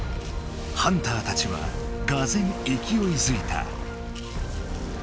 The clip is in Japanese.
ハンターたちはがぜんいきおいづいた。